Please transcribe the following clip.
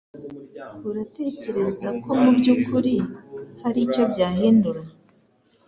Uratekereza ko mubyukuri hari icyo byahindura?